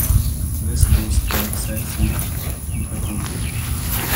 This was a side-slip into truth.